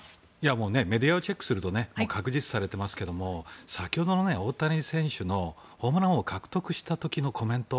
もうメディアをチェックすると確実視されていますが先ほどの大谷選手のホームラン王を獲得した時のコメント。